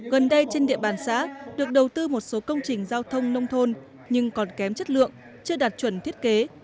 gần đây trên địa bàn xã được đầu tư một số công trình giao thông nông thôn nhưng còn kém chất lượng chưa đạt chuẩn thiết kế